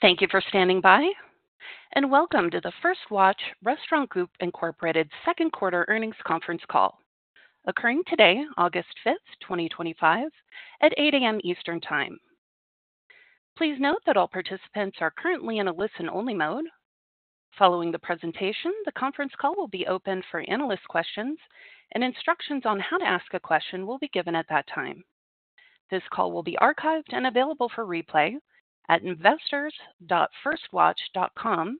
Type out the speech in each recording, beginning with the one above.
Thank you for standing by and welcome to the First Watch Restaurant Group Inc's second quarter earnings conference call, occurring today, August 5, 2025, at 8:00 A.M. Eastern Time. Please note that all participants are currently in a listen-only mode. Following the presentation, the conference call will be open for analyst questions, and instructions on how to ask a question will be given at that time. This call will be archived and available for replay at investors.firstwatch.com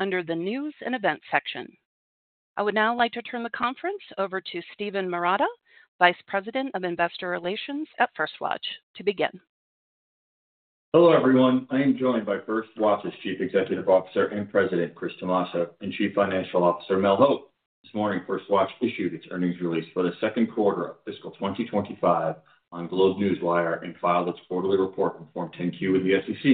under the News and Events section. I would now like to turn the conference over to Steven Marotta, Vice President of Investor Relations at First Watch, to begin. Hello, everyone. I am joined by First Watch's Chief Executive Officer and President, Chris Tomasso, and Chief Financial Officer, Mel Hope. This morning, First Watch issued its earnings release for the second quarter of fiscal 2025 on GlobeNewswire and filed its quarterly report on Form 10-Q with the SEC.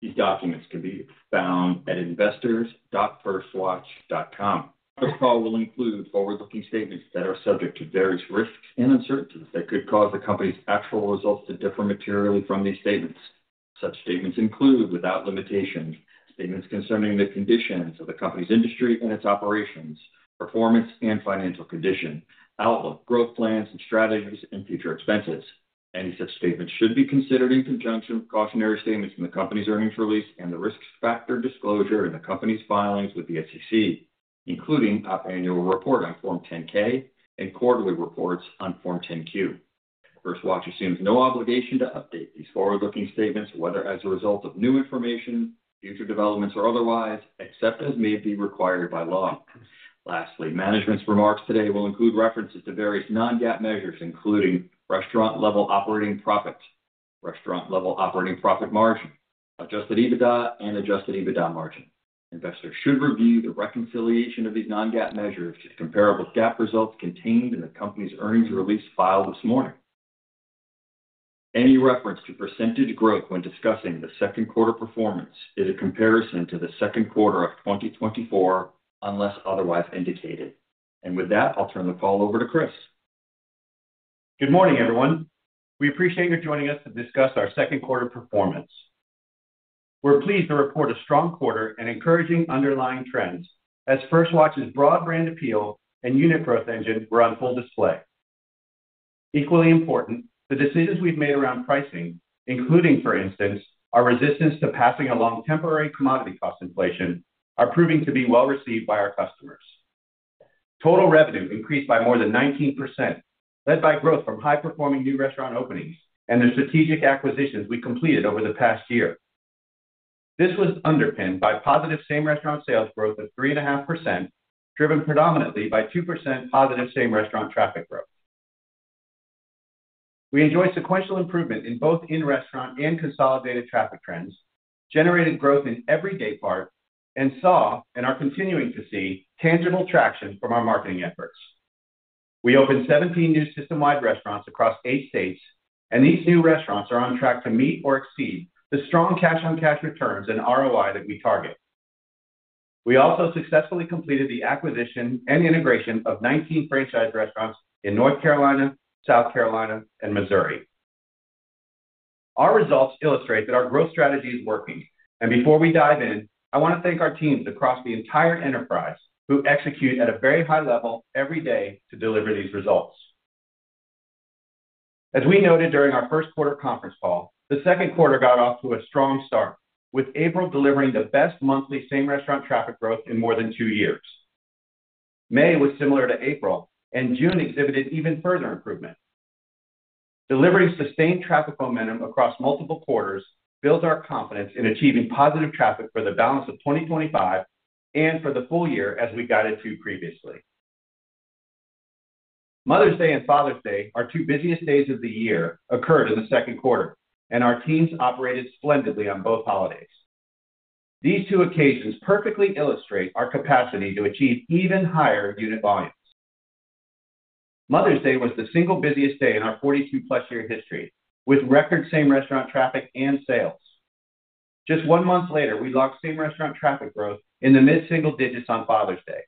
These documents can be found at investors.firstwatch.com. Our call will include forward-looking statements that are subject to various risks and uncertainties that could cause the company's actual results to differ materially from these statements. Such statements include, without limitation, statements concerning the conditions of the company's industry and its operations, performance, and financial condition, outlook, growth plans and strategies, and future expenses. Any such statements should be considered in conjunction with cautionary statements in the company's earnings release and the risk factor disclosure in the company's filings with the SEC, including annual report on Form 10-K and quarterly reports on Form 10-Q. First Watch assumes no obligation to update these forward-looking statements, whether as a result of new information, future developments, or otherwise, except as may be required by law. Lastly, management's remarks today will include references to various non-GAAP measures, including restaurant-level operating profit, restaurant-level operating profit margin, adjusted EBITDA, and adjusted EBITDA margin. Investors should review the reconciliation of these non-GAAP measures to compare with GAAP results contained in the company's earnings release filed this morning. Any reference to % growth when discussing the second quarter performance is a comparison to the second quarter of 2024, unless otherwise indicated. With that, I'll turn the call over to Chris. Good morning, everyone. We appreciate your joining us to discuss our second quarter performance. We're pleased to report a strong quarter and encouraging underlying trends, as First Watch's broad brand appeal and unit growth engine were on full display. Equally important, the decisions we've made around pricing, including, for instance, our resistance to passing along temporary commodity cost inflation, are proving to be well received by our customers. Total revenue increased by more than 19%, led by growth from high-performing new restaurant openings and the strategic acquisitions we completed over the past year. This was underpinned by positive same-restaurant sales growth of 3.5%, driven predominantly by 2% positive same-restaurant traffic growth. We enjoy sequential improvement in both in-restaurant and consolidated traffic trends, generated growth in every daypart, and saw and are continuing to see tangible traction from our marketing efforts. We opened 17 new system-wide restaurants across eight states, and these new restaurants are on track to meet or exceed the strong cash-on-cash returns and ROI that we target. We also successfully completed the acquisition and integration of 19 franchise restaurants in North Carolina, South Carolina, and Missouri. Our results illustrate that our growth strategy is working. Before we dive in, I want to thank our teams across the entire enterprise who execute at a very high level every day to deliver these results. As we noted during our first quarter conference call, the second quarter got off to a strong start, with April delivering the best monthly same-restaurant traffic growth in more than two years. May was similar to April, and June exhibited even further improvement. Delivering sustained traffic momentum across multiple quarters builds our confidence in achieving positive traffic for the balance of 2025 and for the full year, as we guided to previously. Mother's Day and Father's Day, our two busiest days of the year, occurred in the second quarter, and our teams operated splendidly on both holidays. These two occasions perfectly illustrate our capacity to achieve even higher unit volumes. Mother's Day was the single busiest day in our 42-plus year history, with record same-restaurant traffic and sales. Just one month later, we logged same-restaurant traffic growth in the mid-single digits on Father's Day.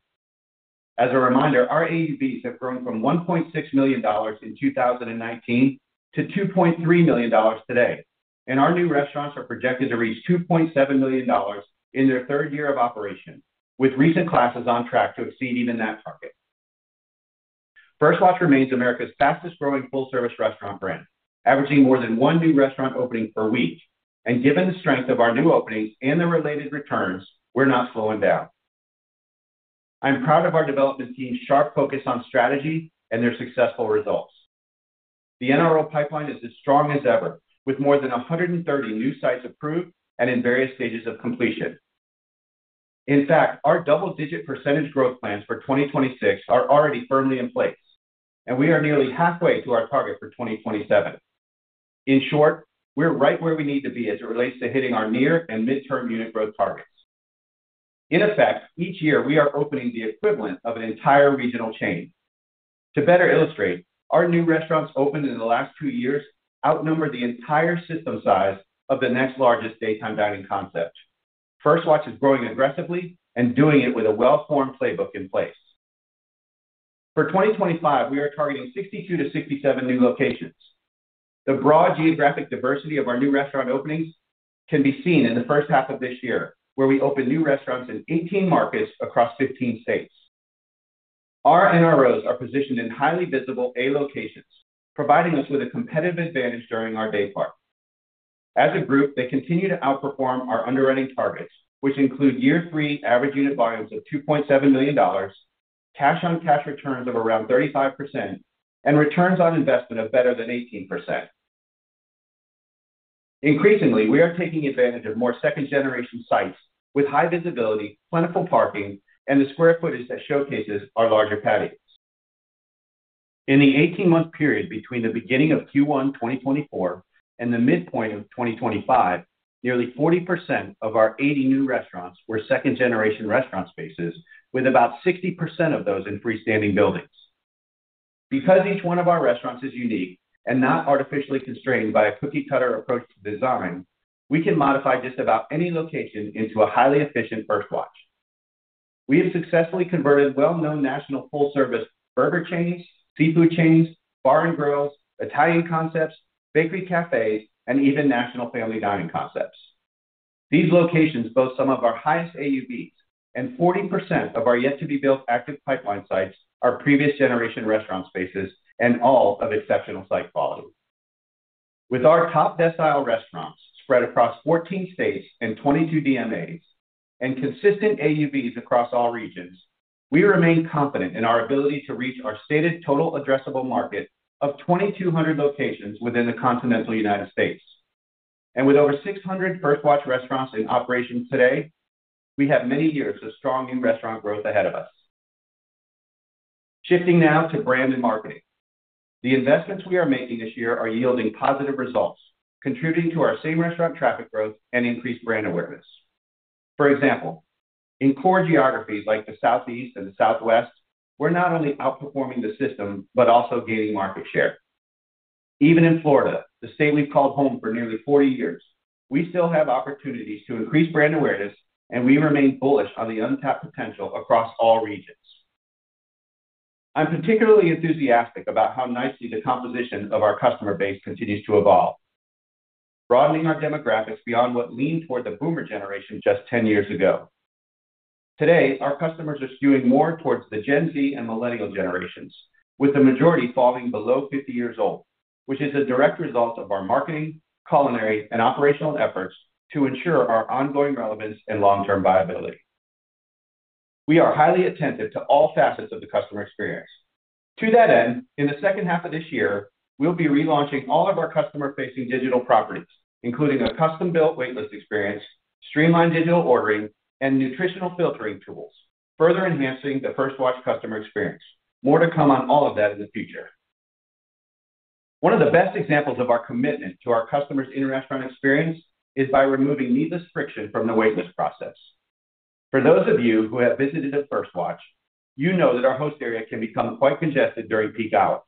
As a reminder, our AUVs have grown from $1.6 million in 2019 to $2.3 million today, and our new restaurants are projected to reach $2.7 million in their third year of operation, with recent classes on track to exceed even that target. First Watch remains America's fastest-growing full-service restaurant brand, averaging more than one new restaurant opening per week. Given the strength of our new openings and the related returns, we're not slowing down. I'm proud of our development team's sharp focus on strategy and their successful results. The NRO pipeline is as strong as ever, with more than 130 new sites approved and in various stages of completion. In fact, our double-digit % growth plans for 2026 are already firmly in place, and we are nearly halfway to our target for 2027. In short, we're right where we need to be as it relates to hitting our near and mid-term unit growth targets. In effect, each year we are opening the equivalent of an entire regional chain. To better illustrate, our new restaurants opened in the last two years outnumber the entire system size of the next largest daytime dining concept. First Watch is growing aggressively and doing it with a well-formed playbook in place. For 2025, we are targeting 62-67 new locations. The broad geographic diversity of our new restaurant openings can be seen in the first half of this year, where we open new restaurants in 18 markets across 15 states. Our NROs are positioned in highly visible A locations, providing us with a competitive advantage during our daypart. As a group, they continue to outperform our underwriting targets, which include year-three average unit volumes of $2.7 million, cash-on-cash returns of around 35%, and returns on investment of better than 18%. Increasingly, we are taking advantage of more second-generation sites with high visibility, plentiful parking, and the square footage that showcases our larger packages. In the 18-month period between the beginning of Q1 2024 and the midpoint of 2025, nearly 40% of our 80 new restaurants were second-generation restaurant spaces, with about 60% of those in freestanding buildings. Because each one of our restaurants is unique and not artificially constrained by a cookie-cutter approach to design, we can modify just about any location into a highly efficient First Watch. We have successfully converted well-known national full-service burger chains, seafood chains, bar and grills, Italian concepts, bakery cafes, and even national family dining concepts. These locations boast some of our highest AUVs, and 40% of our yet-to-be-built active pipeline sites are previous generation restaurant spaces and all of exceptional site quality. With our top decile restaurants spread across 14 states and 22 DMAs and consistent AUVs across all regions, we remain confident in our ability to reach our stated total addressable market of 2,200 locations within the continental United States. With over 600 First Watch restaurants in operation today, we have many years of strong new restaurant growth ahead of us. Shifting now to brand and marketing. The investments we are making this year are yielding positive results, contributing to our same restaurant traffic growth and increased brand awareness. For example, in core geographies like the Southeast and the Southwest, we're not only outperforming the system but also gaining market share. Even in Florida, the state we've called home for nearly 40 years, we still have opportunities to increase brand awareness, and we remain bullish on the untapped potential across all regions. I'm particularly enthusiastic about how nicely the composition of our customer base continues to evolve, broadening our demographics beyond what leaned toward the boomer generation just 10 years ago. Today, our customers are skewing more towards the Gen Z and Millennial generations, with the majority falling below 50 years old, which is a direct result of our marketing, culinary, and operational efforts to ensure our ongoing relevance and long-term viability. We are highly attentive to all facets of the customer experience. To that end, in the second half of this year, we'll be relaunching all of our customer-facing digital properties, including a custom-built waitlist experience, streamlined digital ordering, and nutritional filtering tools, further enhancing the First Watch customer experience. More to come on all of that in the future. One of the best examples of our commitment to our customers' in-restaurant experience is by removing needless friction from the waitlist process. For those of you who have visited First Watch, you know that our host area can become quite congested during peak hours.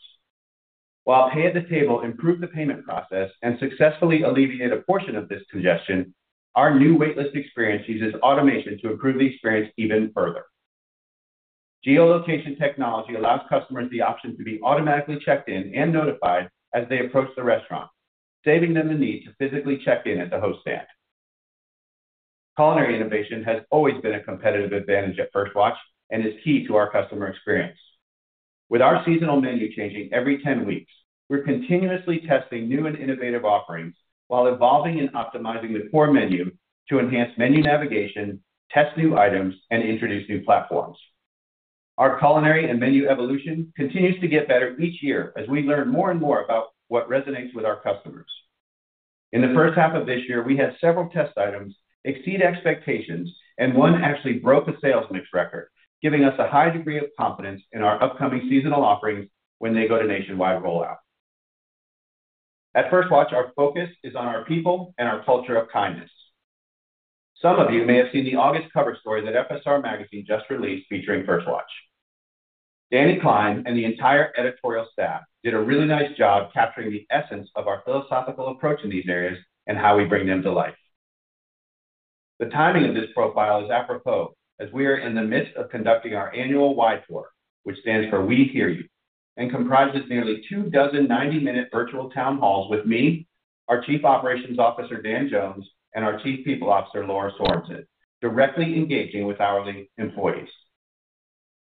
While pay at the table improved the payment process and successfully alleviated a portion of this congestion, our new waitlist experience uses automation to improve the experience even further. Geolocation technology allows customers the option to be automatically checked in and notified as they approach the restaurant, saving them the need to physically check in at the host stand. Culinary innovation has always been a competitive advantage at First Watch and is key to our customer experience. With our seasonal menu changing every 10 weeks, we're continuously testing new and innovative offerings while evolving and optimizing the core menu to enhance menu navigation, test new items, and introduce new platforms. Our culinary and menu evolution continues to get better each year as we learn more and more about what resonates with our customers. In the first half of this year, we had several test items exceed expectations, and one actually broke the sales mix record, giving us a high degree of confidence in our upcoming seasonal offerings when they go to nationwide rollout. At First Watch, our focus is on our people and our culture of kindness. Some of you may have seen the August cover story that FSR Magazine just released featuring First Watch. Danny Klein and the entire editorial staff did a really nice job capturing the essence of our philosophical approach in these areas and how we bring them to life. The timing of this profile is apropos, as we are in the midst of conducting our annual W.H.Y. Tour, which stands for We Hear You, and comprises nearly two dozen 90-minute virtual town halls with me, our Chief Operations Officer, Dan Jones, and our Chief People Officer, Laura Sorensen, directly engaging with our employees.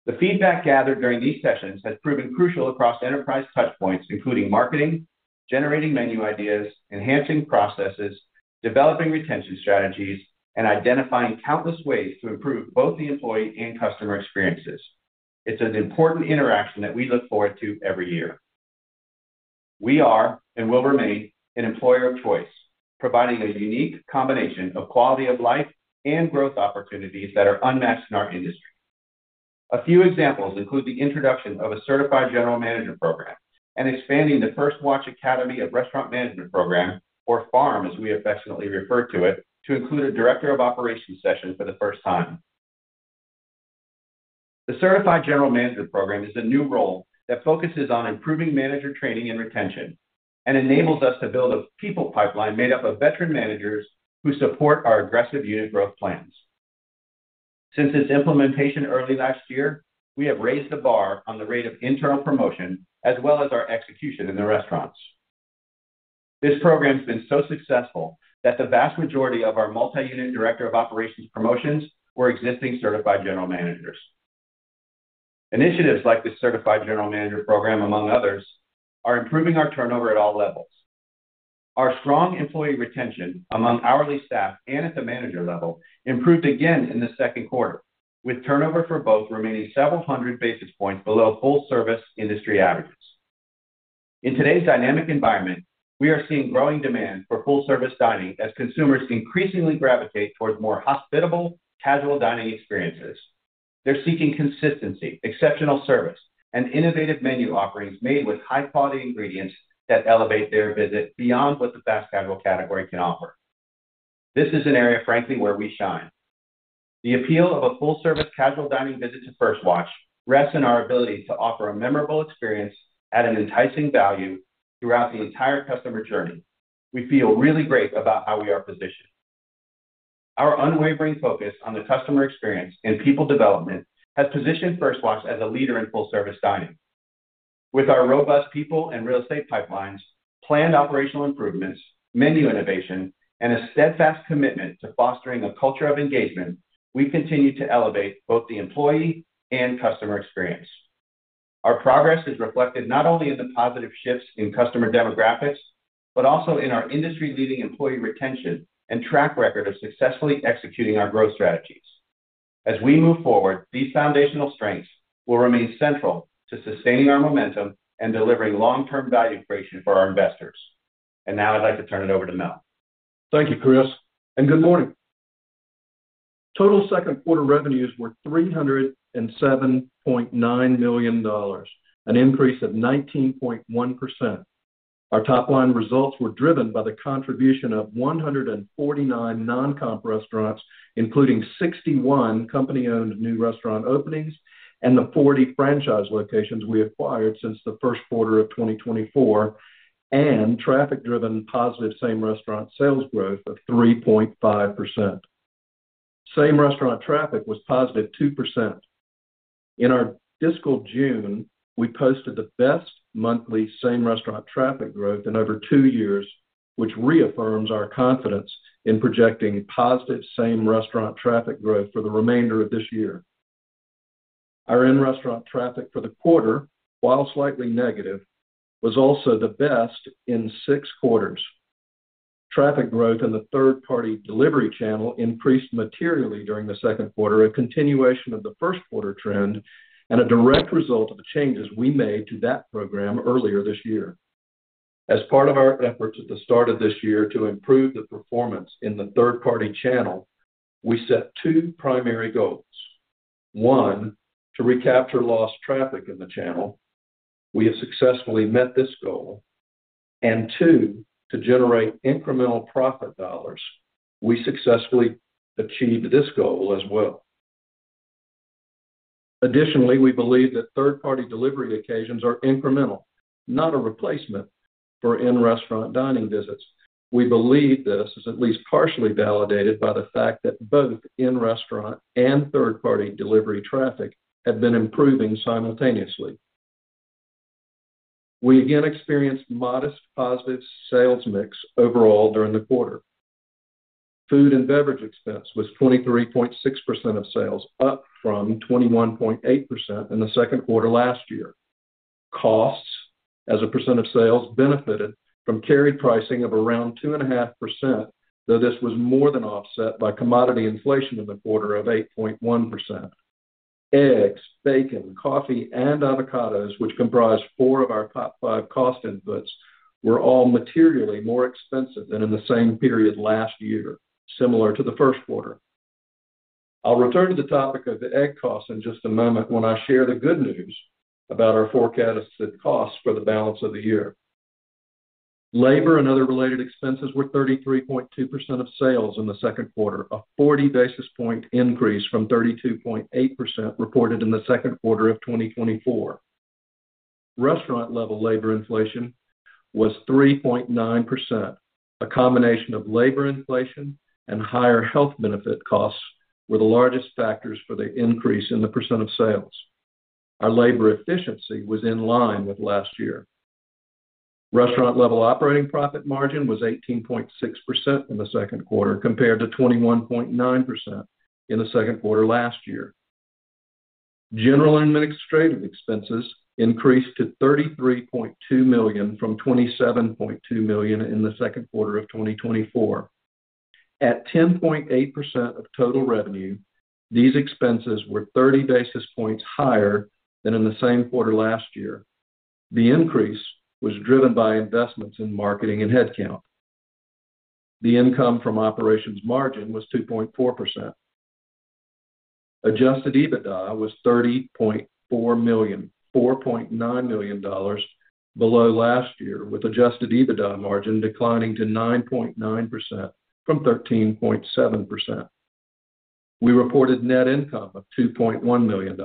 The feedback gathered during these sessions has proven crucial across enterprise touchpoints, including marketing, generating menu ideas, enhancing processes, developing retention strategies, and identifying countless ways to improve both the employee and customer experiences. It's an important interaction that we look forward to every year. We are, and will remain, an employer of choice, providing a unique combination of quality of life and growth opportunities that are unmatched in our industry. A few examples include the introduction of a Certified General Manager program and expanding the First Watch Academy of Restaurant Management program, or FARM, as we affectionately refer to it, to include a Director of Operations session for the first time. The Certified General Manager program is a new role that focuses on improving manager training and retention and enables us to build a people pipeline made up of veteran managers who support our aggressive unit growth plans. Since its implementation early last year, we have raised the bar on the rate of internal promotion as well as our execution in the restaurants. This program's been so successful that the vast majority of our multi-unit Director of Operations promotions were existing Certified General Managers. Initiatives like the Certified General Manager program, among others, are improving our turnover at all levels. Our strong employee retention among hourly staff and at the manager level improved again in the second quarter, with turnover for both remaining several hundred basis points below full-service industry averages. In today's dynamic environment, we are seeing growing demand for full-service dining as consumers increasingly gravitate towards more hospitable, casual dining experiences. They're seeking consistency, exceptional service, and innovative menu offerings made with high-quality ingredients that elevate their visit beyond what the fast casual category can offer. This is an area, frankly, where we shine. The appeal of a full-service casual dining visit to First Watch rests in our ability to offer a memorable experience at an enticing value throughout the entire customer journey. We feel really great about how we are positioned. Our unwavering focus on the customer experience and people development has positioned First Watch as a leader in full-service dining. With our robust people and real estate pipelines, planned operational improvements, menu innovation, and a steadfast commitment to fostering a culture of engagement, we continue to elevate both the employee and customer experience. Our progress is reflected not only in the positive shifts in customer demographics but also in our industry-leading employee retention and track record of successfully executing our growth strategies. As we move forward, these foundational strengths will remain central to sustaining our momentum and delivering long-term value creation for our investors. Now I'd like to turn it over to Mel. Thank you, Chris, and good morning. Total second quarter revenues were $307.9 million, an increase of 19.1%. Our top-line results were driven by the contribution of 149 non-comp restaurants, including 61 company-owned new restaurant openings and the 40 franchise locations we acquired since the first quarter of 2024, and traffic-driven positive same-restaurant sales growth of 3.5%. Same restaurant traffic was positive 2%. In our fiscal June, we posted the best monthly same restaurant traffic growth in over two years, which reaffirms our confidence in projecting positive same restaurant traffic growth for the remainder of this year. Our in-restaurant traffic for the quarter, while slightly negative, was also the best in six quarters. Traffic growth in the third-party delivery channel increased materially during the second quarter, a continuation of the first quarter trend and a direct result of the changes we made to that program earlier this year. As part of our efforts at the start of this year to improve the performance in the third-party channel, we set two primary goals. One, to recapture lost traffic in the channel. We have successfully met this goal. Two, to generate incremental profit dollars. We successfully achieved this goal as well. Additionally, we believe that third-party delivery occasions are incremental, not a replacement for in-restaurant dining visits. We believe this is at least partially validated by the fact that both in-restaurant and third-party delivery traffic have been improving simultaneously. We again experienced modest positive sales mix overall during the quarter. Food and beverage expense was 23.6% of sales, up from 21.8% in the second quarter last year. Costs, as a percent of sales, benefited from carried pricing of around 2.5%, though this was more than offset by commodity inflation in the quarter of 8.1%. Eggs, bacon, coffee, and avocados, which comprise four of our top five cost inputs, were all materially more expensive than in the same period last year, similar to the first quarter. I'll return to the topic of the egg costs in just a moment when I share the good news about our forecasted costs for the balance of the year. Labor and other related expenses were 33.2% of sales in the second quarter, a 40 basis point increase from 32.8% reported in the second quarter of 2024. Restaurant-level labor inflation was 3.9%. A combination of labor inflation and higher health benefit costs were the largest factors for the increase in the % of sales. Our labor efficiency was in line with last year. Restaurant-level operating profit margin was 18.6% in the second quarter compared to 21.9% in the second quarter last year. General administrative expenses increased to $33.2 million from $27.2 million in the second quarter of 2024. At 10.8% of total revenue, these expenses were 30 basis points higher than in the same quarter last year. The increase was driven by investments in marketing and headcount. The income from operations margin was 2.4%. Adjusted EBITDA was $30.4 million, $4.9 million below last year, with adjusted EBITDA margin declining to 9.9% from 13.7%. We reported net income of $2.1 million.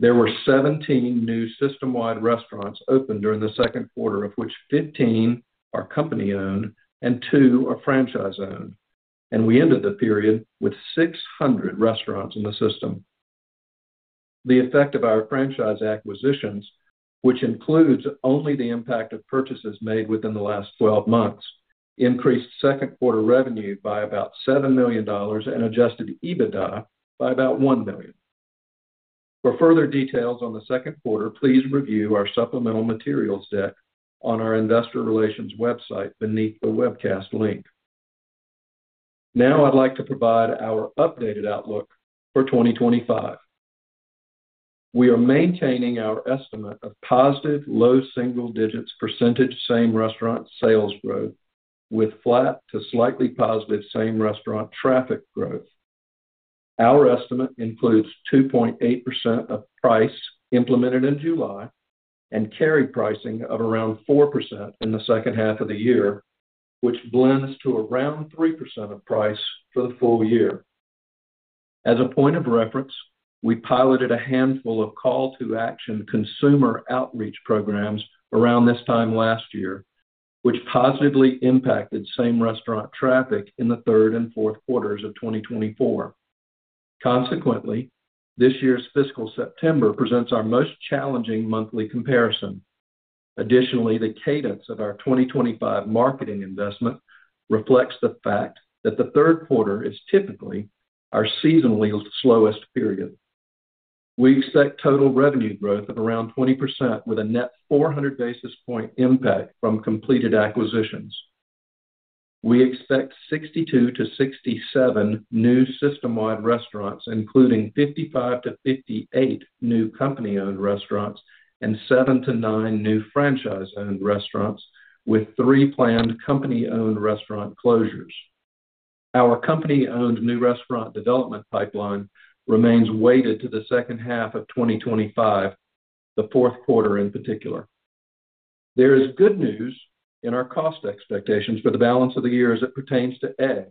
There were 17 new system-wide restaurants opened during the second quarter, of which 15 are company-owned and two are franchise-owned. We ended the period with 600 restaurants in the system. The effect of our franchise acquisitions, which includes only the impact of purchases made within the last 12 months, increased second quarter revenue by about $7 million and adjusted EBITDA by about $1 million. For further details on the second quarter, please review our supplemental materials deck on our Investor Relations website beneath the webcast link. Now I'd like to provide our updated outlook for 2025. We are maintaining our estimate of positive low single-digits % same restaurant sales growth with flat to slightly positive same restaurant traffic growth. Our estimate includes 2.8% of price implemented in July and carry pricing of around 4% in the second half of the year, which blends to around 3% of price for the full year. As a point of reference, we piloted a handful of call-to-action consumer outreach programs around this time last year, which positively impacted same restaurant traffic in the third and fourth quarters of 2024. Consequently, this year's fiscal September presents our most challenging monthly comparison. Additionally, the cadence of our 2025 marketing investment reflects the fact that the third quarter is typically our seasonally slowest period. We expect total revenue growth of around 20%, with a net 400 basis point impact from completed acquisitions. We expect 62-67 new system-wide restaurants, including 55-58 new company-owned restaurants and 7-9 new franchise-owned restaurants, with three planned company-owned restaurant closures. Our company-owned new restaurant development pipeline remains weighted to the second half of 2025, the fourth quarter in particular. There is good news in our cost expectations for the balance of the year as it pertains to eggs.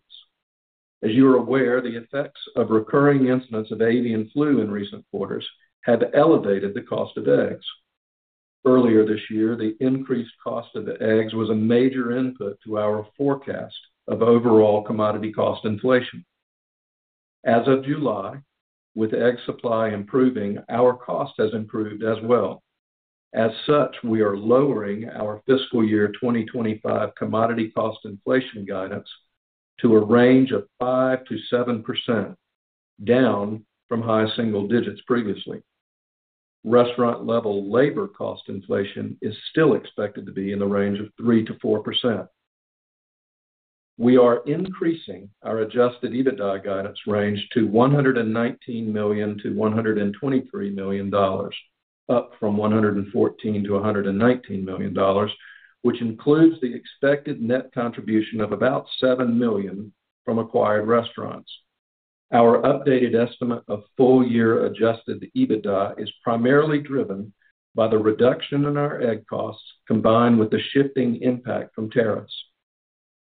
As you are aware, the effects of recurring incidents of avian flu in recent quarters have elevated the cost of eggs. Earlier this year, the increased cost of eggs was a major input to our forecast of overall commodity cost inflation. As of July, with egg supply improving, our cost has improved as well. As such, we are lowering our fiscal year 2025 commodity cost inflation guidance to a range of 5% to 7%, down from high single digits previously. Restaurant-level labor cost inflation is still expected to be in the range of 3% to 4%. We are increasing our adjusted EBITDA guidance range to $119 million-$123 million, up from $114 million-$119 million, which includes the expected net contribution of about $7 million from acquired restaurants. Our updated estimate of full-year adjusted EBITDA is primarily driven by the reduction in our egg costs, combined with the shifting impact from tariffs.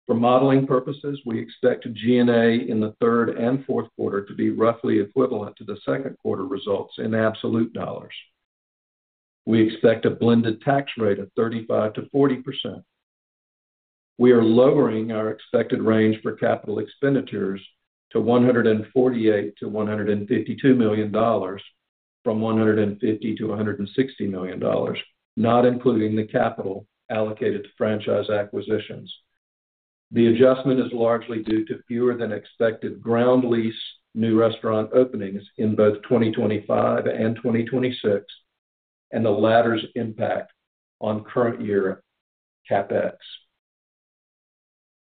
For modeling purposes, we expect G&A in the third and fourth quarter to be roughly equivalent to the second quarter results in absolute dollars. We expect a blended tax rate of 35%-40%. We are lowering our expected range for capital expenditures to $148 million-$152 million, from $150 million-$160 million, not including the capital allocated to franchise acquisitions. The adjustment is largely due to fewer than expected ground lease new restaurant openings in both 2025 and 2026, and the latter's impact on current year CapEx.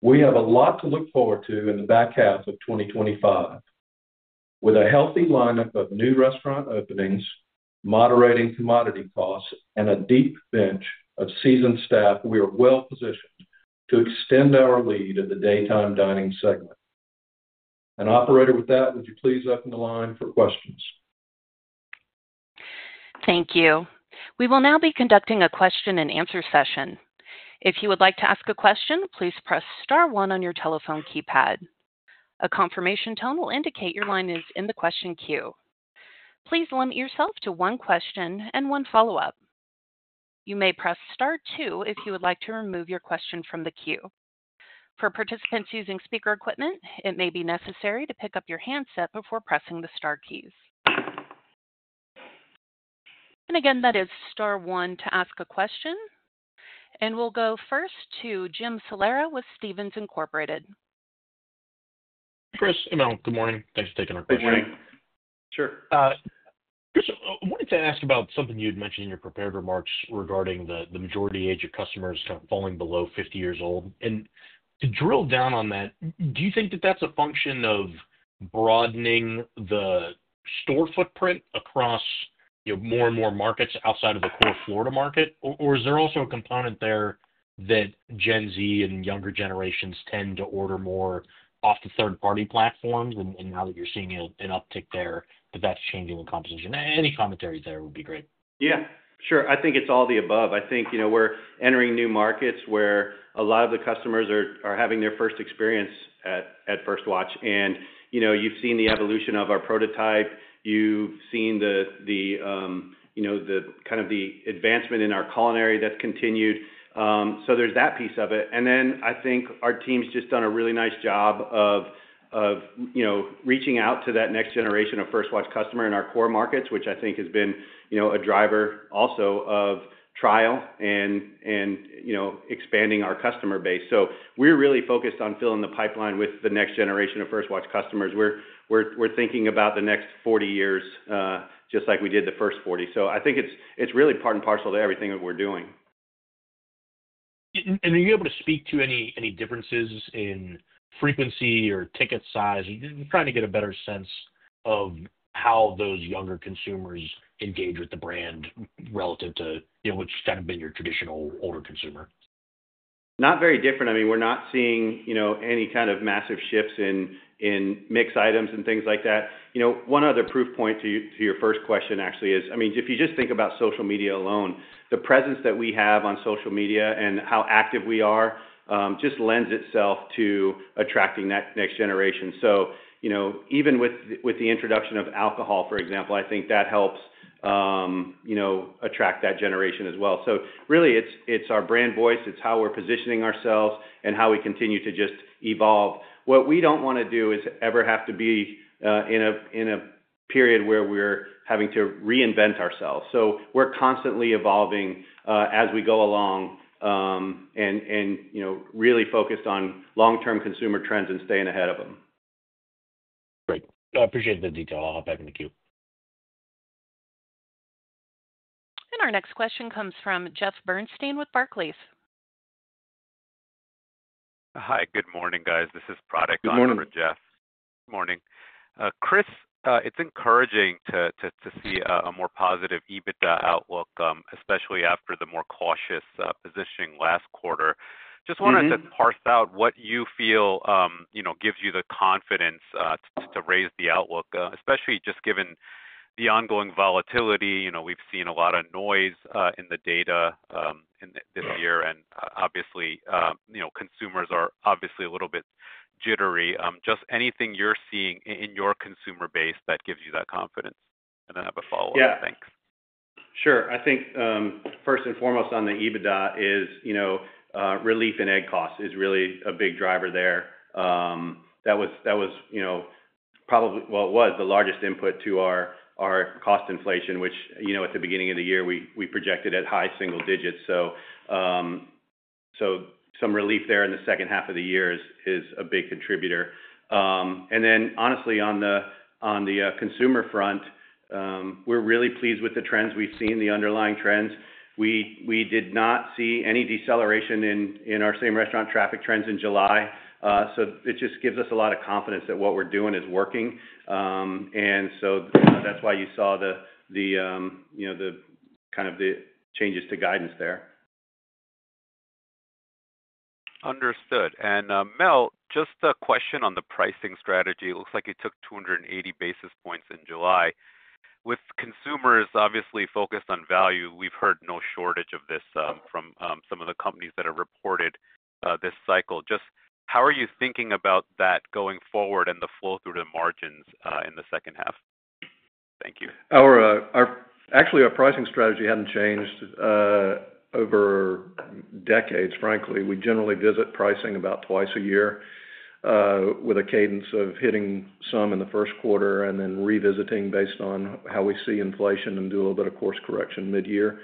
We have a lot to look forward to in the back half of 2025. With a healthy lineup of new restaurant openings, moderating commodity costs, and a deep bench of seasoned staff, we are well positioned to extend our lead in the daytime dining segment. Operator, with that, would you please open the line for questions? Thank you. We will now be conducting a question and answer session. If you would like to ask a question, please press star one on your telephone keypad. A confirmation tone will indicate your line is in the question queue. Please limit yourself to one question and one follow-up. You may press star two if you would like to remove your question from the queue. For participants using speaker equipment, it may be necessary to pick up your handset before pressing the star keys. That is star one to ask a question. We will go first to Jim Salera with Stephens Inc. Chris, good morning. Thanks for taking our call. Sure. Chris, I wanted to ask about something you had mentioned in your prepared remarks regarding the majority age of customers kind of falling below 50 years old. To drill down on that, do you think that that's a function of broadening the store footprint across more and more markets outside of the core Florida market? Is there also a component there that Gen-Z and younger generations tend to order more off the third-party platforms? Now that you're seeing an uptick there, that's changing the composition. Any commentary there would be great. Yeah, sure. I think it's all the above. I think we're entering new markets where a lot of the customers are having their first experience at First Watch. You've seen the evolution of our prototype. You've seen the advancement in our culinary that's continued. There's that piece of it. I think our team's just done a really nice job of reaching out to that next generation of First Watch customers in our core markets, which I think has been a driver also of trial and expanding our customer base. We're really focused on filling the pipeline with the next generation of First Watch customers. We're thinking about the next 40 years, just like we did the first 40. I think it's really part and parcel to everything that we're doing. Are you able to speak to any differences in frequency or ticket size? I'm trying to get a better sense of how those younger consumers engage with the brand relative to, you know, what's kind of been your traditional older consumer? Not very different. I mean, we're not seeing any kind of massive shifts in mixed items and things like that. One other proof point to your first question, actually, is, if you just think about social media alone, the presence that we have on social media and how active we are just lends itself to attracting that next generation. Even with the introduction of alcohol, for example, I think that helps attract that generation as well. Really, it's our brand voice. It's how we're positioning ourselves and how we continue to just evolve. What we don't want to do is ever have to be in a period where we're having to reinvent ourselves. We're constantly evolving as we go along and really focused on long-term consumer trends and staying ahead of them. Great. I appreciate the detail. I'll hop back in the queue. Our next question comes from Jeff Bernstein with Barclays. Hi, good morning, guys. This is Product Owner Jeff. Good morning. Chris, it's encouraging to see a more positive EBITDA outlook, especially after the more cautious positioning last quarter. I just wanted to parse out what you feel gives you the confidence to raise the outlook, especially given the ongoing volatility. We've seen a lot of noise in the data in the year. Obviously, consumers are a little bit jittery. Just anything you're seeing in your consumer base that gives you that confidence. I have a follow-up. Yeah. Thanks. Sure. I think, first and foremost on the adjusted EBITDA is, you know, relief in egg costs is really a big driver there. That was probably, well, it was the largest input to our cost inflation, which, you know, at the beginning of the year, we projected at high single digits. Some relief there in the second half of the year is a big contributor. Honestly, on the consumer front, we're really pleased with the trends we've seen, the underlying trends. We did not see any deceleration in our same restaurant traffic trends in July. It just gives us a lot of confidence that what we're doing is working. That's why you saw the kind of the changes to guidance there. Understood. Mel, just a question on the pricing strategy. It looks like you took 280 basis points in July. With consumers obviously focused on value, we've heard no shortage of this from some of the companies that have reported this cycle. Just how are you thinking about that going forward and the flow through the margins in the second half? Thank you. Our pricing strategy hadn't changed over decades, frankly. We generally visit pricing about twice a year, with a cadence of hitting some in the first quarter and then revisiting based on how we see inflation and do a little bit of course correction mid-year.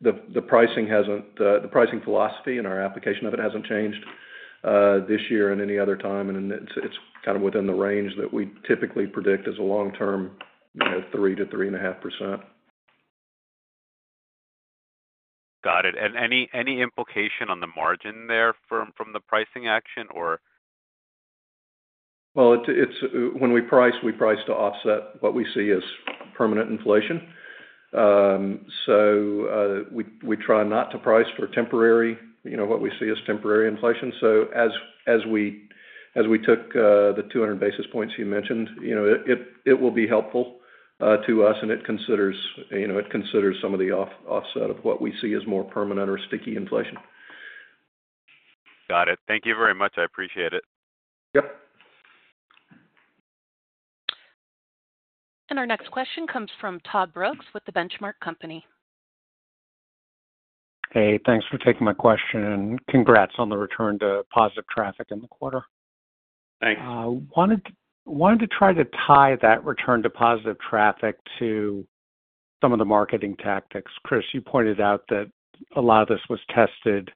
The pricing philosophy and our application of it hasn't changed this year or any other time. It's kind of within the range that we typically predict as a long-term, you know, 3%-3.5%. Got it. Any implication on the margin there from the pricing action? When we price, we price to offset what we see as permanent inflation. We try not to price for temporary, you know, what we see as temporary inflation. As we took the 200 basis points you mentioned, it will be helpful to us, and it considers some of the offset of what we see as more permanent or sticky inflation. Got it. Thank you very much. I appreciate it. Yep. Our next question comes from Todd Brooks with The Benchmark Company. Hey, thanks for taking my question, and congrats on the return to positive traffic in the quarter. Thanks. I wanted to try to tie that return to positive traffic to some of the marketing tactics. Chris, you pointed out that a lot of this was tested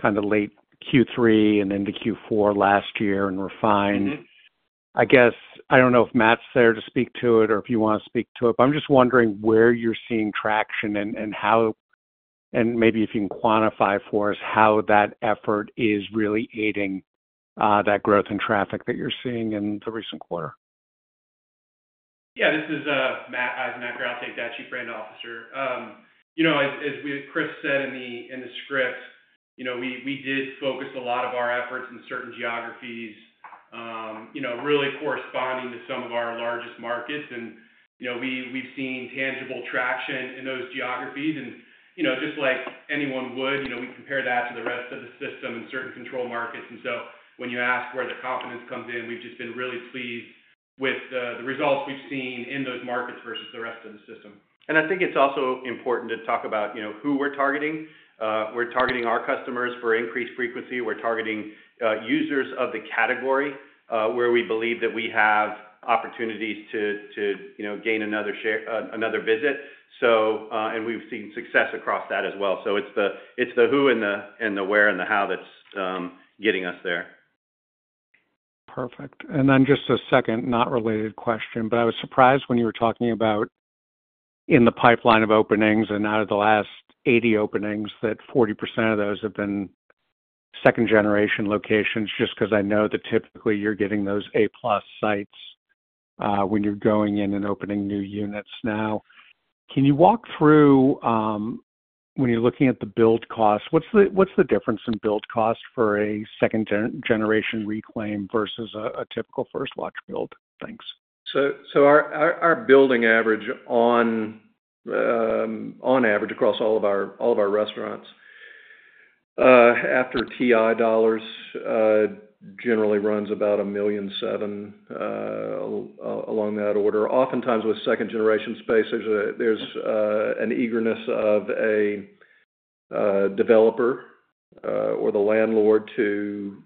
kind of late Q3 and into Q4 last year and refined. I guess I don't know if Matt's there to speak to it or if you want to speak to it, but I'm just wondering where you're seeing traction and how, and maybe if you can quantify for us how that effort is really aiding that growth in traffic that you're seeing in the recent quarter. Yeah, this is Matt. I'm Matt Eisenacher, Chief Brand Officer. As Chris said in the script, we did focus a lot of our efforts in certain geographies, really corresponding to some of our largest markets. We've seen tangible traction in those geographies. Just like anyone would, we compare that to the rest of the system in certain control markets. When you ask where the confidence comes in, we've just been really pleased with the results we've seen in those markets versus the rest of the system. I think it's also important to talk about who we're targeting. We're targeting our customers for increased frequency. We're targeting users of the category, where we believe that we have opportunities to gain another share, another visit. We've seen success across that as well. It's the who and the where and the how that's getting us there. Perfect. Just a second, not related question, but I was surprised when you were talking about in the pipeline of openings and out of the last 80 openings that 40% of those have been second-generation locations, just because I know that typically you're getting those A-plus sites when you're going in and opening new units. Can you walk through, when you're looking at the build cost, what's the difference in build cost for a second-generation reclaim versus a typical First Watch build? Thanks. Our building average, on average across all of our restaurants, after TI dollars, generally runs about $1.7 million, along that order. Oftentimes with second-generation space, there's an eagerness of a developer or the landlord to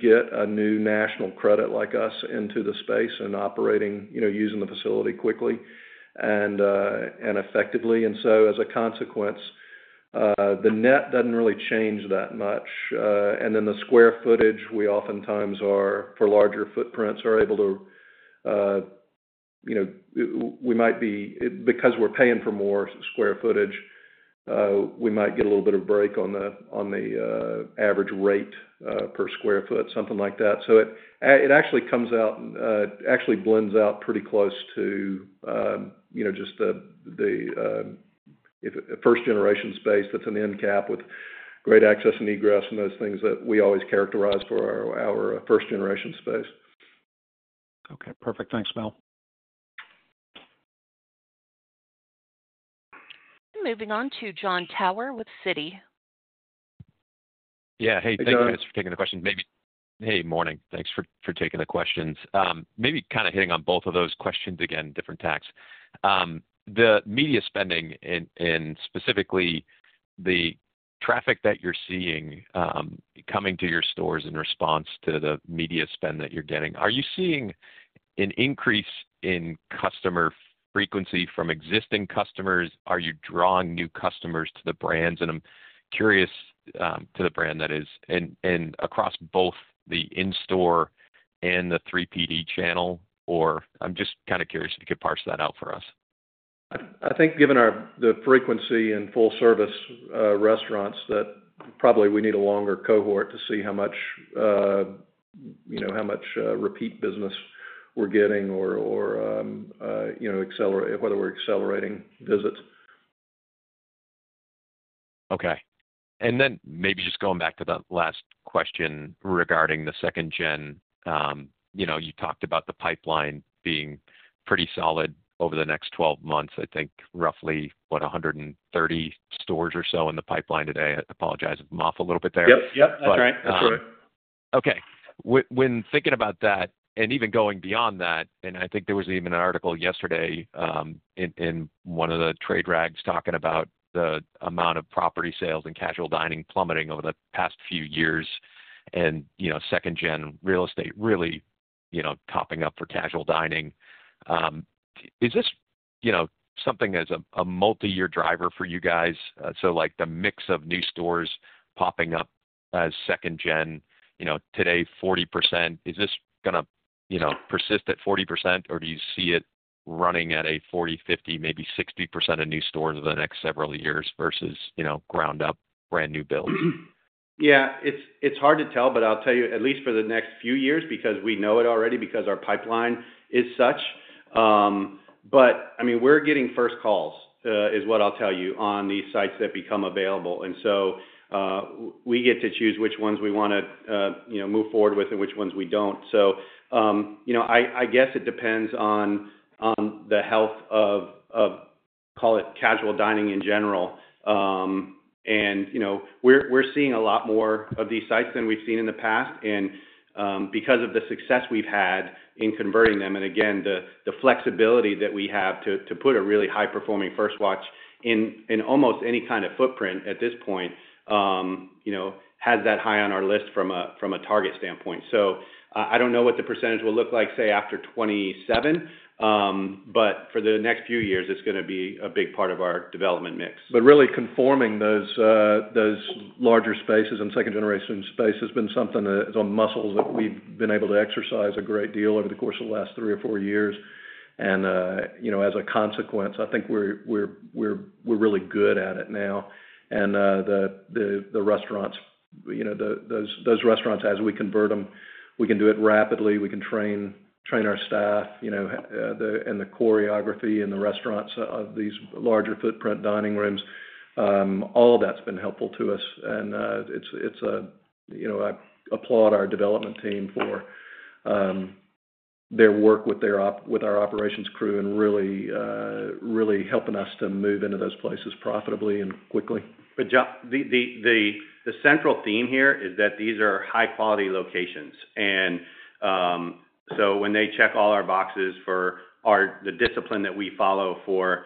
get a new national credit like us into the space and operating, you know, using the facility quickly and effectively. As a consequence, the net doesn't really change that much. The square footage, we oftentimes are for larger footprints, are able to, you know, we might be because we're paying for more square footage, we might get a little bit of break on the average rate per square foot, something like that. It actually comes out and blends out pretty close to, you know, just the, if a first-generation space that's an end cap with great access and egress and those things that we always characterize for our first-generation space. Okay. Perfect. Thanks, Mel. Moving on to Jon Tower with Citi. Yeah, thanks for taking the question. Hey, good morning. Thanks for taking the questions. Maybe kind of hitting on both of those questions again, different tacks. The media spending and specifically the traffic that you're seeing coming to your stores in response to the media spend that you're getting, are you seeing an increase in customer frequency from existing customers? Are you drawing new customers to the brand? I'm curious, to the brand that is, and across both the in-store and the 3PD channel, I'm just kind of curious if you could parse that out for us. I think given the frequency in full-service restaurants, we probably need a longer cohort to see how much repeat business we're getting or whether we're accelerating visits. Okay. Maybe just going back to the last question regarding the second-generation sites, you talked about the pipeline being pretty solid over the next 12 months. I think roughly, what, 130 stores or so in the pipeline today. I apologize if I'm off a little bit there. Yep, yep. That's right. That's right. Okay. When thinking about that and even going beyond that, I think there was even an article yesterday in one of the trade rags talking about the amount of property sales and casual dining plummeting over the past few years, and, you know, second-generation real estate really, you know, topping up for casual dining. Is this something as a multi-year driver for you guys? The mix of new stores popping up as second-generation, you know, today is 40%. Is this going to persist at 40%, or do you see it running at 40, 50, maybe 60% of new stores over the next several years versus, you know, ground-up brand new builds? Yeah, it's hard to tell, but I'll tell you, at least for the next few years, because we know it already because our pipeline is such. I mean, we're getting first calls, is what I'll tell you, on these sites that become available. We get to choose which ones we want to move forward with and which ones we don't. I guess it depends on the health of, call it, casual dining in general. We're seeing a lot more of these sites than we've seen in the past. Because of the success we've had in converting them and, again, the flexibility that we have to put a really high-performing First Watch in almost any kind of footprint at this point, that has it high on our list from a target standpoint. I don't know what the percentage will look like, say, after 2027, but for the next few years, it's going to be a big part of our development mix. Really conforming those larger spaces and second-generation space has been something that is a muscle that we've been able to exercise a great deal over the course of the last three or four years. As a consequence, I think we're really good at it now. The restaurants, those restaurants, as we convert them, we can do it rapidly. We can train our staff, and the choreography in the restaurants, these larger footprint dining rooms, all that's been helpful to us. I applaud our development team for their work with our operations crew and really helping us to move into those places profitably and quickly. The central theme here is that these are high-quality locations. When they check all our boxes for the discipline that we follow for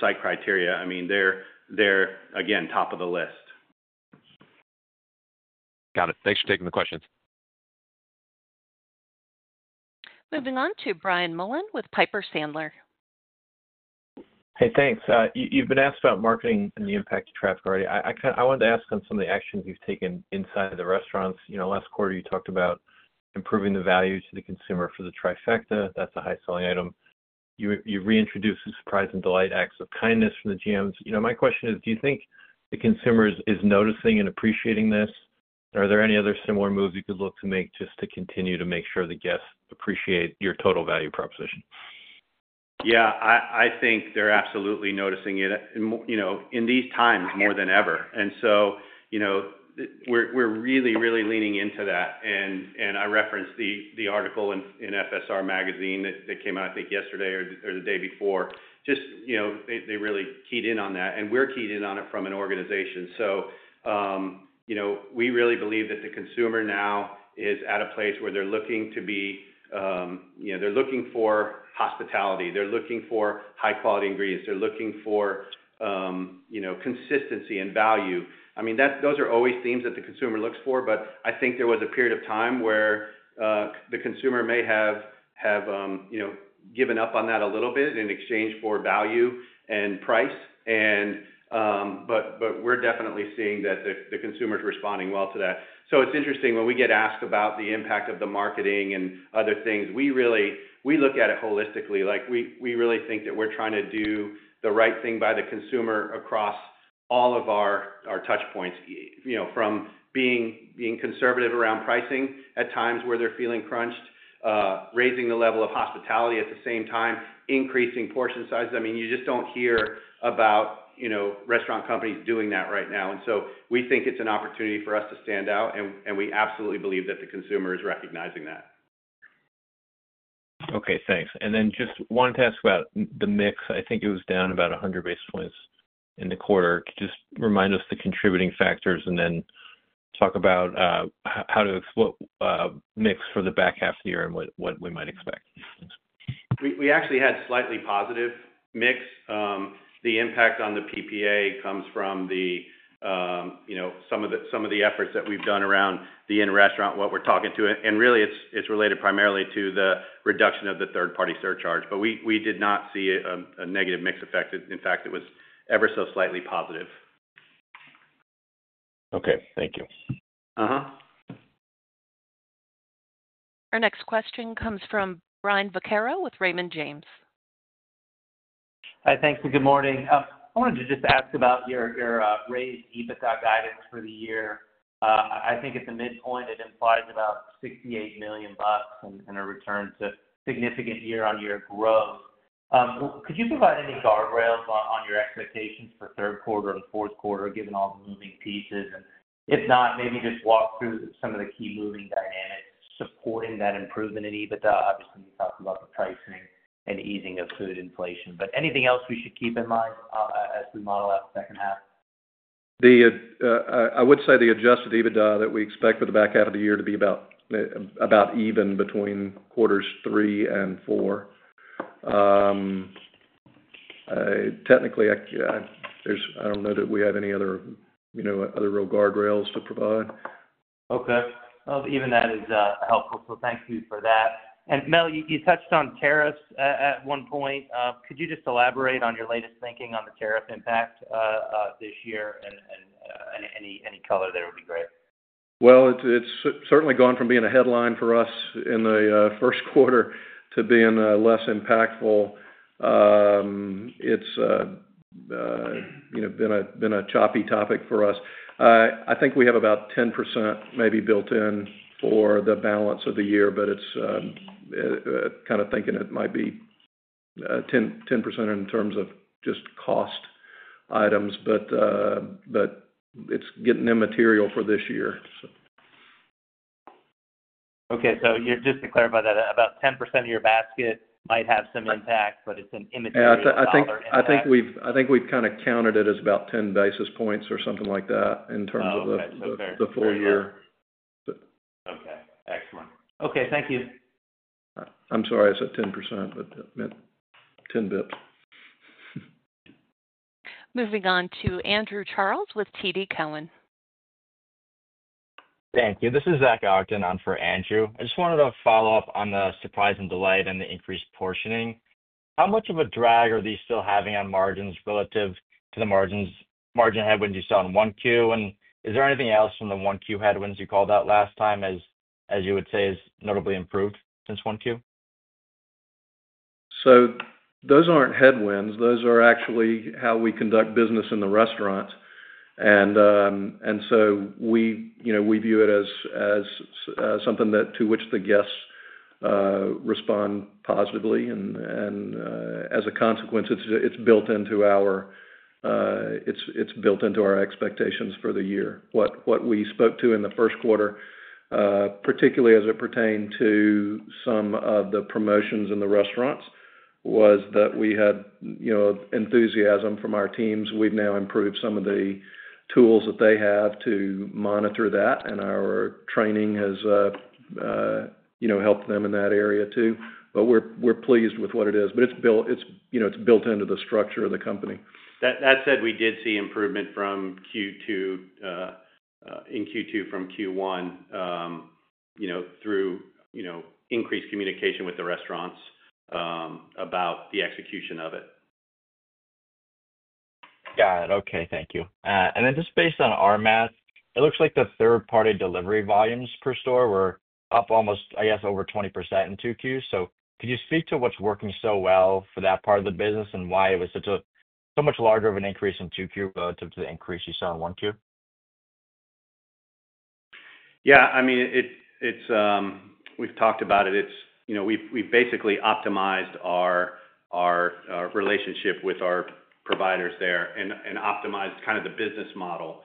site criteria, they're, again, top of the list. Got it. Thanks for taking the questions. Moving on to Brian Mullen with Piper Sandler. Hey, thanks. You've been asked about marketing and the impact of traffic already. I wanted to ask on some of the actions you've taken inside the restaurants. Last quarter, you talked about improving the value to the consumer for the trifecta. That's a high-selling item. You reintroduced the surprise and delight acts of kindness from the GMs. My question is, do you think the consumer is noticing and appreciating this? Are there any other similar moves you could look to make just to continue to make sure the guests appreciate your total value proposition? Yeah, I think they're absolutely noticing it, you know, in these times more than ever. We're really, really leaning into that. I referenced the article in FSR Magazine that came out, I think, yesterday or the day before. They really keyed in on that. We're keyed in on it from an organization. We really believe that the consumer now is at a place where they're looking to be, you know, they're looking for hospitality. They're looking for high-quality ingredients. They're looking for consistency and value. I mean, those are always themes that the consumer looks for. I think there was a period of time where the consumer may have, you know, given up on that a little bit in exchange for value and price. We're definitely seeing that the consumer's responding well to that. It's interesting when we get asked about the impact of the marketing and other things. We really look at it holistically. We really think that we're trying to do the right thing by the consumer across all of our touchpoints, from being conservative around pricing at times where they're feeling crunched, raising the level of hospitality at the same time, increasing portion sizes. I mean, you just don't hear about restaurant companies doing that right now. We think it's an opportunity for us to stand out. We absolutely believe that the consumer is recognizing that. Okay, thanks. I just wanted to ask about the mix. I think it was down about 100 basis points in the quarter. Just remind us the contributing factors and then talk about how to exploit mix for the back half of the year and what we might expect. We actually had slightly positive mix. The impact on the PPA comes from, you know, some of the efforts that we've done around the in-restaurant, what we're talking to. It's related primarily to the reduction of the third-party surcharge. We did not see a negative mix effect. In fact, it was ever so slightly positive. Okay, thank you. Our next question comes from Brian Vaccaro with Raymond James. Hi, thanks, and good morning. I wanted to just ask about your raised adjusted EBITDA guidance for the year. I think at the midpoint, it implied about $68 million and a return to significant year-on-year growth. Could you provide any guardrails on your expectations for third quarter and fourth quarter, given all the moving pieces? If not, maybe just walk through some of the key moving dynamics supporting that improvement in adjusted EBITDA. Obviously, we talked about the pricing and easing of food inflation. Is there anything else we should keep in mind as we model out the second half? I would say the adjusted EBITDA that we expect for the back half of the year to be about even between quarters three and four. Technically, I don't know that we have any other, you know, other real guardrails to provide. Okay, that is helpful. Thank you for that. Mel, you touched on tariffs at one point. Could you just elaborate on your latest thinking on the tariff impact this year? Any color there would be great. It has certainly gone from being a headline for us in the first quarter to being less impactful. It's been a choppy topic for us. I think we have about 10% maybe built in for the balance of the year, but it's kind of thinking it might be 10% in terms of just cost items. It's getting immaterial for this year. Okay, just to clarify, about 10% of your basket might have some impact, but it's an immaterial number. I think we've kind of counted it as about 10 basis points or something like that in terms of the full year. Okay. Excellent. Okay. Thank you. I'm sorry I said 10%, but that meant 10 bps. Moving on to Andrew Charles with TD Cowen. Thank you. This is Zach Ogden on for Andrew. I just wanted to follow up on the surprise and delight and the increased portioning. How much of a drag are these still having on margins relative to the margin headwind you saw in 1Q? Is there anything else from the 1Q headwinds you called out last time that you would say is notably improved since 1Q? Those aren't headwinds. Those are actually how we conduct business in the restaurant, and we view it as something to which the guests respond positively. As a consequence, it's built into our expectations for the year. What we spoke to in the first quarter, particularly as it pertained to some of the promotions in the restaurants, was that we had enthusiasm from our teams. We've now improved some of the tools that they have to monitor that, and our training has helped them in that area too. We're pleased with what it is. It's built into the structure of the company. That said, we did see improvement in Q2 from Q1 through increased communication with the restaurants about the execution of it. Got it. Okay. Thank you. Then just based on our math, it looks like the third-party delivery volumes per store were up almost, I guess, over 20% in 2Q. Could you speak to what's working so well for that part of the business and why it was such a so much larger of an increase in 2Q relative to the increase you saw in 1Q? Yeah, I mean, we've talked about it. We've basically optimized our relationship with our providers there and optimized the business model,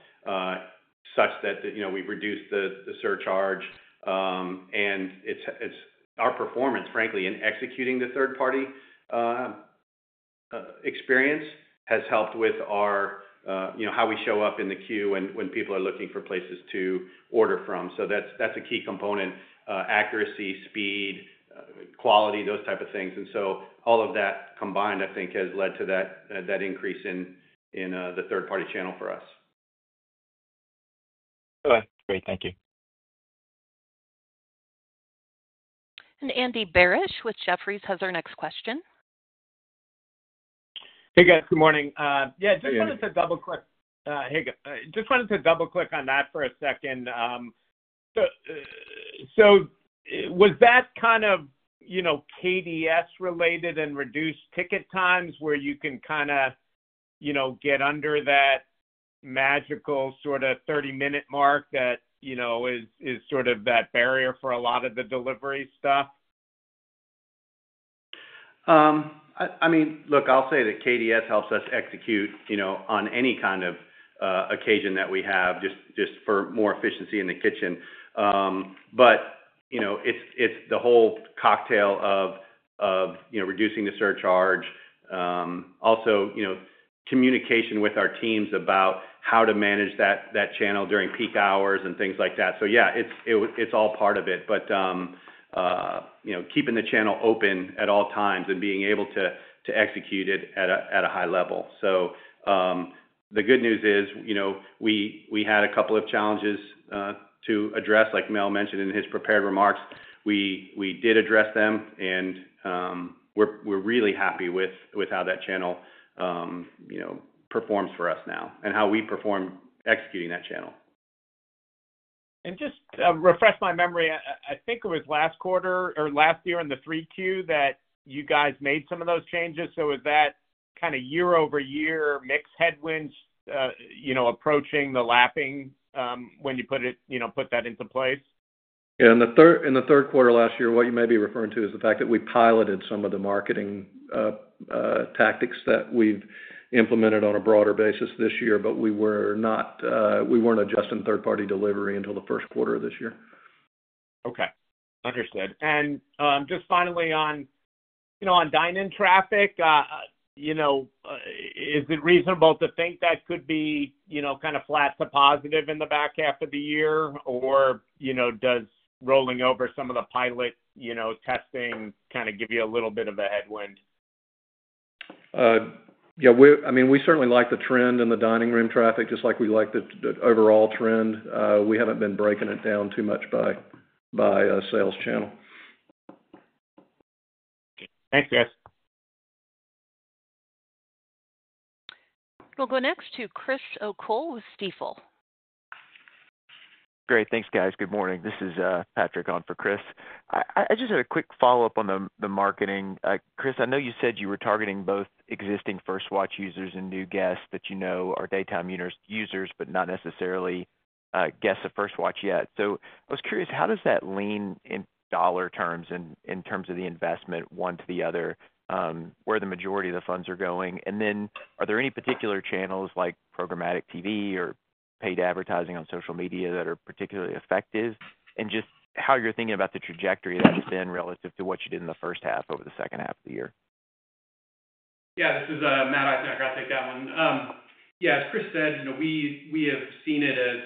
such that we've reduced the surcharge. It's our performance, frankly, in executing the third-party experience that has helped with how we show up in the queue when people are looking for places to order from. That's a key component: accuracy, speed, quality, those types of things. All of that combined, I think, has led to that increase in the third-party channel for us. Okay. Great. Thank you. Andy Barish with Jefferies has our next question. Good morning. I just wanted to double-click on that for a second. Was that kind of KDS-related and reduced ticket times where you can get under that magical sort of 30-minute mark that is sort of that barrier for a lot of the delivery stuff? I mean, look, I'll say that KDS helps us execute on any kind of occasion that we have, just for more efficiency in the kitchen. It's the whole cocktail of reducing the surcharge, also communication with our teams about how to manage that channel during peak hours and things like that. It's all part of it. Keeping the channel open at all times and being able to execute it at a high level. The good news is we had a couple of challenges to address, like Mel mentioned in his prepared remarks. We did address them, and we're really happy with how that channel performs for us now and how we performed executing that channel. Just to refresh my memory, I think it was last quarter or last year in the third quarter that you guys made some of those changes. Is that kind of year-over-year mix headwinds approaching the lapping, when you put that into place? Yeah, in the third quarter last year, what you may be referring to is the fact that we piloted some of the marketing tactics that we've implemented on a broader basis this year, but we weren't adjusting third-party delivery until the first quarter of this year. Okay. Understood. Just finally, on dine-in traffic, is it reasonable to think that could be kind of flat to positive in the back half of the year, or does rolling over some of the pilot testing give you a little bit of a headwind? Yeah, we certainly like the trend in the dining room traffic, just like we like the overall trend. We haven't been breaking it down too much by a sales channel. Thanks, guys. We'll go next to Chris O'Cull with Stifel. Great. Thanks, guys. Good morning. This is Patrick on for Chris. I just had a quick follow-up on the marketing. Chris, I know you said you were targeting both existing First Watch users and new guests that you know are daytime users, but not necessarily guests of First Watch yet. I was curious, how does that lean in dollar terms and in terms of the investment one to the other, where the majority of the funds are going? Are there any particular channels like programmatic TV or paid advertising on social media that are particularly effective? How you're thinking about the trajectory that you've seen relative to what you did in the first half over the second half of the year? Yeah, as Chris said, we have seen it as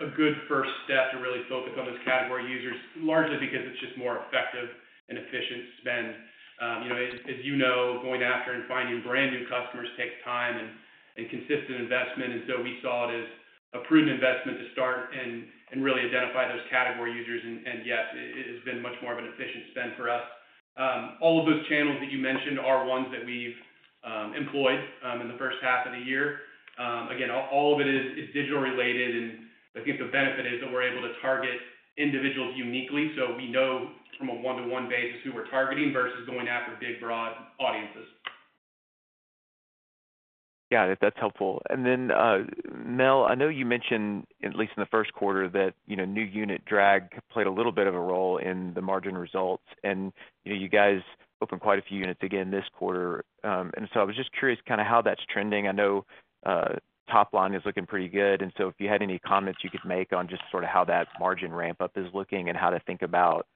a good first step to really focus on those category users, largely because it's just more effective and efficient spend. As you know, going after and finding brand new customers takes time and consistent investment. We saw it as a prudent investment to start and really identify those category users. It has been much more of an efficient spend for us. All of those channels that you mentioned are ones that we've employed in the first half of the year. All of it is digital-related. I think the benefit is that we're able to target individuals uniquely. We know from a one-to-one basis who we're targeting versus going after big, broad audiences. Yeah, that's helpful. Mel, I know you mentioned, at least in the first quarter, that new unit drag played a little bit of a role in the margin results. You guys opened quite a few units again this quarter. I was just curious kind of how that's trending. I know top line is looking pretty good. If you had any comments you could make on just sort of how that margin ramp-up is looking and how to think about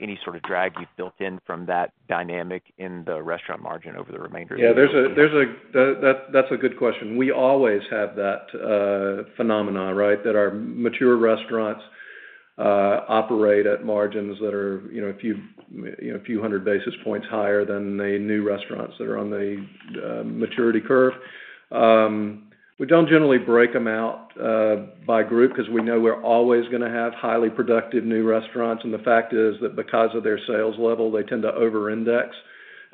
any sort of drag you've built in from that dynamic in the restaurant margin over the remainder of the year. Yeah, that's a good question. We always have that phenomenon, right, that our mature restaurants operate at margins that are, you know, a few hundred basis points higher than the new restaurants that are on the maturity curve. We don't generally break them out by group because we know we're always going to have highly productive new restaurants. The fact is that because of their sales level, they tend to over-index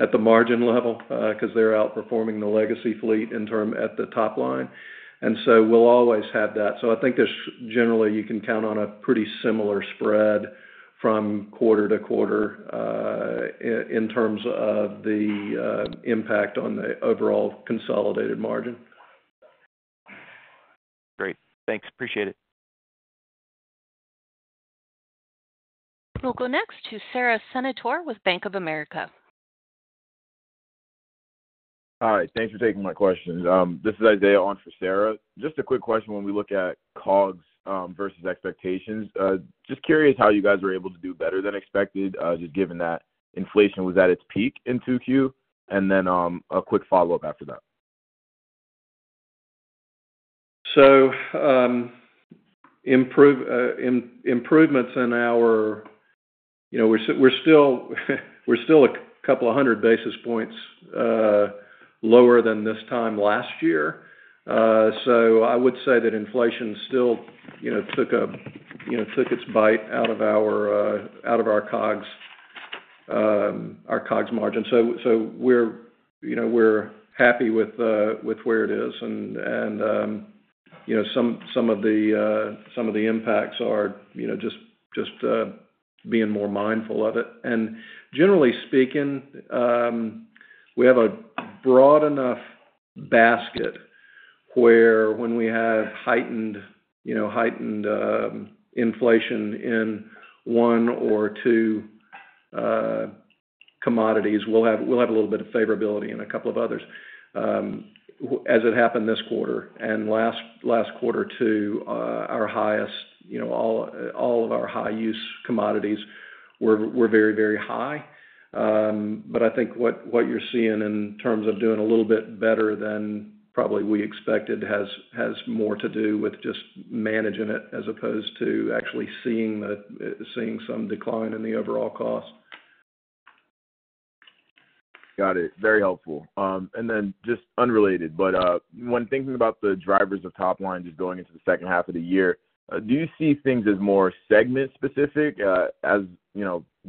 at the margin level because they're outperforming the legacy fleet in terms at the top line. We'll always have that. I think there's generally, you can count on a pretty similar spread from quarter to quarter in terms of the impact on the overall consolidated margin. Great, thanks. Appreciate it. We'll go next to Sara Senatore with Bank of America. All right. Thanks for taking my questions. This is Isaiah on for Sara. Just a quick question. When we look at COGS versus expectations, just curious how you guys were able to do better than expected, just given that inflation was at its peak in 2Q. A quick follow-up after that. Improvements in our, you know, we're still a couple of hundred basis points lower than this time last year. I would say that inflation still took its bite out of our COGS margin. We're happy with where it is, and some of the impacts are just being more mindful of it. Generally speaking, we have a broad enough basket where when we have heightened inflation in one or two commodities, we'll have a little bit of favorability in a couple of others. As it happened this quarter and last quarter too, all of our high-use commodities were very, very high. I think what you're seeing in terms of doing a little bit better than probably we expected has more to do with just managing it as opposed to actually seeing some decline in the overall cost. Got it. Very helpful. When thinking about the drivers of top line just going into the second half of the year, do you see things as more segment-specific, as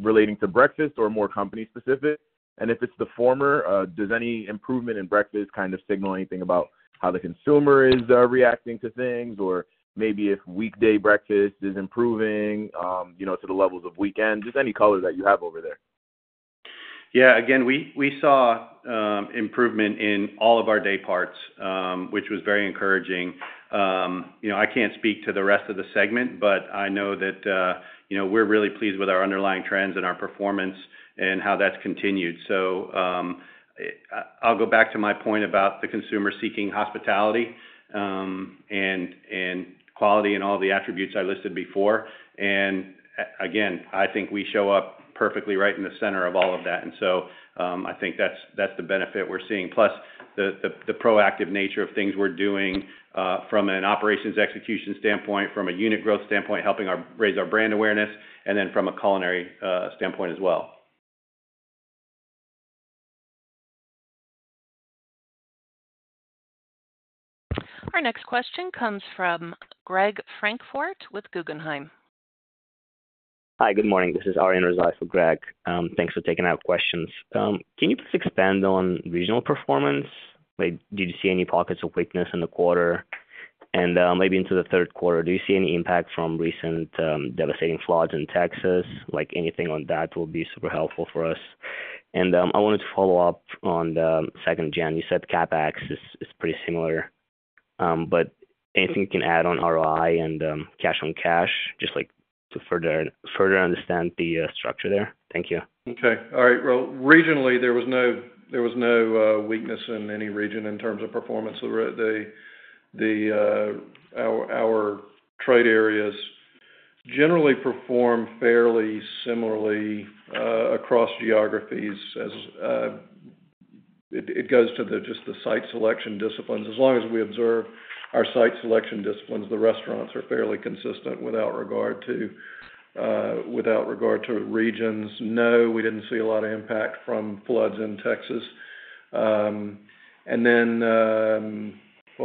relating to breakfast or more company-specific? If it's the former, does any improvement in breakfast kind of signal anything about how the consumer is reacting to things? Maybe if weekday breakfast is improving to the levels of weekend, just any color that you have over there. Yeah, again, we saw improvement in all of our dayparts, which was very encouraging. I can't speak to the rest of the segment, but I know that we're really pleased with our underlying trends and our performance and how that's continued. I'll go back to my point about the consumer seeking hospitality, and quality and all the attributes I listed before. I think we show up perfectly right in the center of all of that. I think that's the benefit we're seeing. Plus, the proactive nature of things we're doing from an operations execution standpoint, from a unit growth standpoint, helping raise our brand awareness, and then from a culinary standpoint as well. Our next question comes from Greg Francfort with Guggenheim. Hi, good morning. This is Arian Razai for Greg. Thanks for taking our questions. Can you please expand on regional performance? Did you see any pockets of weakness in the quarter? Maybe into the third quarter, do you see any impact from recent devastating floods in Texas? Anything on that will be super helpful for us. I wanted to follow up on the second-generation sites. You said CapEx is pretty similar. Anything you can add on ROI and cash on cash, just to further understand the structure there? Thank you. All right. Regionally, there was no weakness in any region in terms of performance. Our trade areas generally perform fairly similarly across geographies as it goes to the site selection disciplines. As long as we observe our site selection disciplines, the restaurants are fairly consistent without regard to regions. No, we didn't see a lot of impact from floods in Texas. What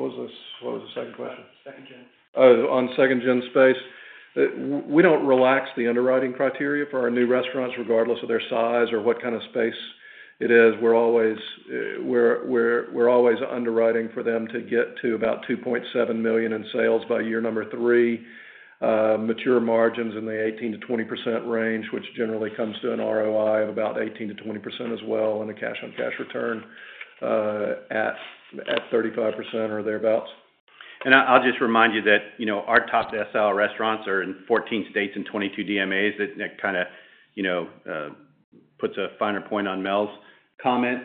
was the second question? Second gen. On second-generation sites, we don't relax the underwriting criteria for our new restaurants regardless of their size or what kind of space it is. We're always underwriting for them to get to about $2.7 million in sales by year number three, mature margins in the 18%-20% range, which generally comes to an ROI of about 18%-20% as well, and a cash on cash return at 35% or thereabouts. I'll just remind you that our top two SL restaurants are in 14 states and 22 DMAs. That kind of puts a finer point on Mel's comment.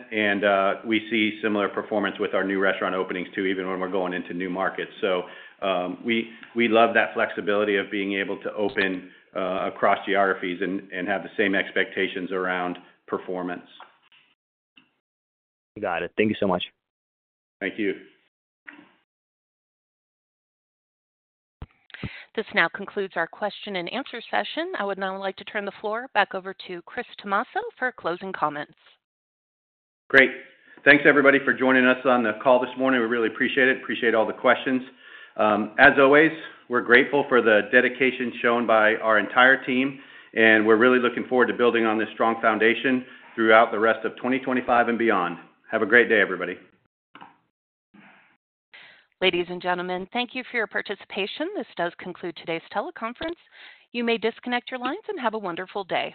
We see similar performance with our new restaurant openings too, even when we're going into new markets. We love that flexibility of being able to open across geographies and have the same expectations around performance. Got it. Thank you so much. Thank you. This now concludes our question and answer session. I would now like to turn the floor back over to Chris Tomasso for closing comments. Great. Thanks, everybody, for joining us on the call this morning. We really appreciate it. Appreciate all the questions. As always, we're grateful for the dedication shown by our entire team, and we're really looking forward to building on this strong foundation throughout the rest of 2025 and beyond. Have a great day, everybody. Ladies and gentlemen, thank you for your participation. This does conclude today's teleconference. You may disconnect your lines and have a wonderful day.